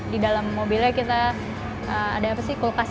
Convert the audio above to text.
di dalam mobilnya kita ada apa sih kulkas